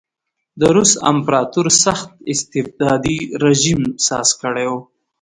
د روس امپراتور سخت استبدادي رژیم ساز کړی و.